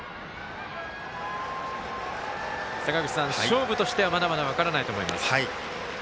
坂口さん、勝負としてはまだまだ分からないと思います。